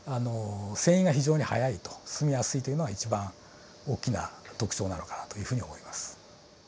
進みやすいというのが一番大きな特徴なのかなというふうに思います。